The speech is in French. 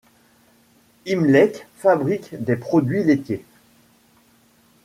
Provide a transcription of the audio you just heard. Imlek fabrique des produits laitiers.